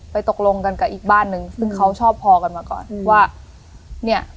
ตกลงกันกับอีกบ้านนึงซึ่งเขาชอบพอกันมาก่อนว่าเนี่ย